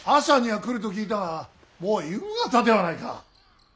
朝には来ると聞いたがもう夕方ではないか。